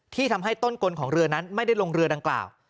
ที่ทำให้ต้นกลของเรือนั้นไม่ได้ลงเรือดังกล่าว